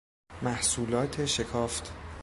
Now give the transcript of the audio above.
محصولات شکافت